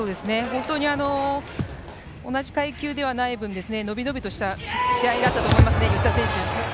本当に同じ階級ではない分伸び伸びとした試合だったと思います。